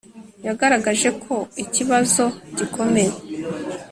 Yagaragaje ko ikibazo gikomeye